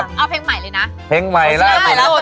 เอาเพลงใหม่กใหม่ล่าสุด